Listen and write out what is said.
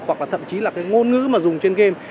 hoặc là thậm chí là cái ngôn ngữ mà dùng trên game